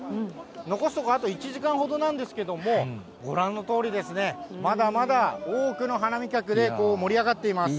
残すところあと１時間ほどなんですけれども、ご覧のとおりですね、まだまだ多くの花見客で盛り上がっています。